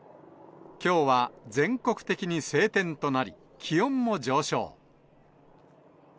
きょうは全国的に晴天となり、気温も上昇。